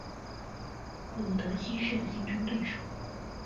布鲁德七世的竞争对手。